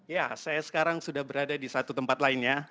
ya saya sekarang sudah berada di satu tempat lainnya